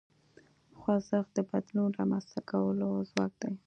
خوځښت د بدلون رامنځته کولو ځواک دی.